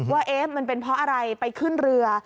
ว่ามันเป็นเพราะอะไรไปขึ้นเรือ